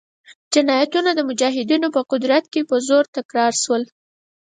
جنایتونه د مجاهدینو په قدرت کې په زور تکرار شول.